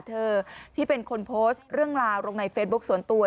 เธอที่เป็นคนโพสต์เรื่องราวลงในเฟซบุ๊คส่วนตัว